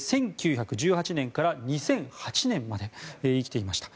１９１８年から２００８年まで生きていました